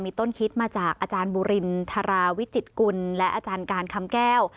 ต้นคิดมาจากอาจารย์บุรินทราวิจิตกุลและอาจารย์การคำแก้ว